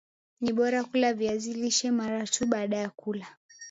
ni bora kula viazi lishe mara tu baada ya kula